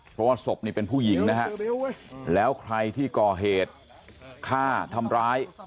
เพราะว่าศพนี่เป็นผู้หญิงนะฮะแล้วใครที่ก่อเหตุฆ่าทำร้าย